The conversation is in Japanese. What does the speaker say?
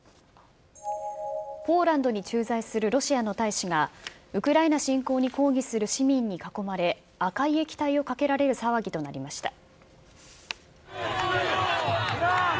ポーランドに駐在するロシアの大使が、ウクライナ侵攻に抗議する市民に囲まれ、赤い液体をかけられる騒ぎとなりました。